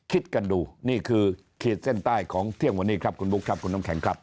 คิดกันดูนี่คือขีดเส้นใต้ของเที่ยงวันนี้ครับคุณบุ๊คครับคุณน้ำแข็งครับ